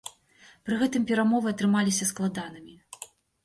Пры гэтым перамовы атрымаліся складанымі.